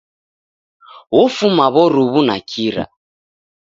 Ofuma w'oruw'u na kira.